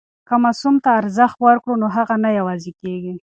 که ماسوم ته ارزښت ورکړو نو هغه نه یوازې کېږي.